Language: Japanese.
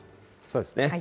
そうですね。